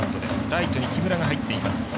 ライトに木村が入っています。